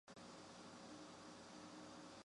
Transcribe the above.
掌握科技新兴议题